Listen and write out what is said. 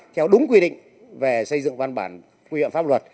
theo đúng quy định về xây dựng văn bản quy phạm pháp luật